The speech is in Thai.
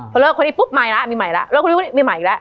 คนเริ่มคนอีกปุ๊บมีใหม่ละ